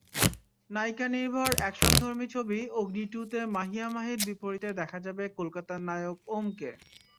নায়িকানির্ভর অ্যাকশনধর্মী ছবি অগ্নি-টুতে মাহিয়া মাহির বিপরীতে দেখা যাবে কলকাতার নায়ক ওমকে।